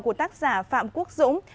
của tác giả phạm quốc dũng